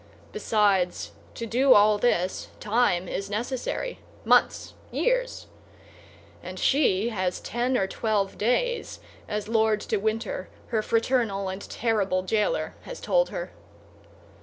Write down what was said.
Besides, to do all this, time is necessary—months, years; and she has ten or twelve days, as Lord de Winter, her fraternal and terrible jailer, has told her.